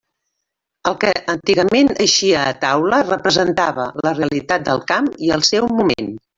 El que antigament eixia a taula representava la realitat del camp i el seu moment.